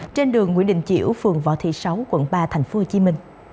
đến đường nguyễn đình chỉu phường võ thị sáu quận ba tp hcm